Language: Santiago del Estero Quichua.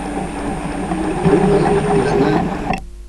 umay nanan